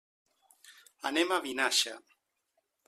Anem a Vinaixa.